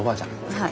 はい。